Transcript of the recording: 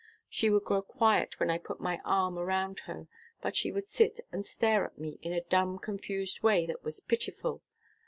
She would grow quiet when I put my arm around her, but she would sit and stare at me in a dumb, confused way that was pitiful.